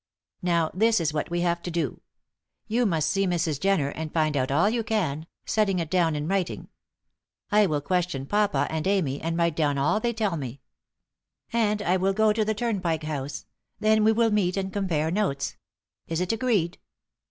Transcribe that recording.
Now, this is what we have to do: You must see Mrs. Jenner, and find out all you can, setting it down in writing. I will question papa and Amy, and write down all that they tell me. And I will go to the Turnpike House, then we will meet and compare notes. Is it agreed?"